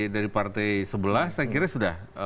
dari partai sebelah saya kira sudah